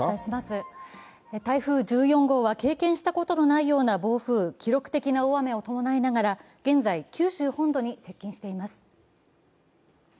台風１４号は経験したことのないような暴風、記録的な大雨を伴いながら現在、九州本土に接近しています。